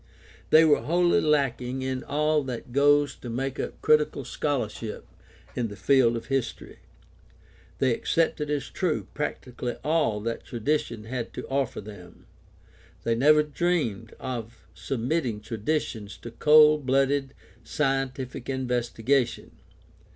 They were wholly lacking in all that goes to make up critical scholarship in the field of history. They accepted as true practically all that tradition had to offer them. They never dreamed of sub mitting traditions to cold blooded, scientific investigation.